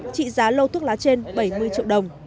trị giá lô thuốc lá trên bảy mươi triệu đồng